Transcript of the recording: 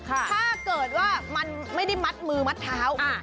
ถ้าเกิดว่ามันไม่ได้มัดมือมัดเท้า